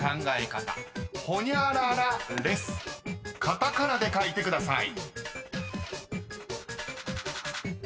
［カタカナで書いてください］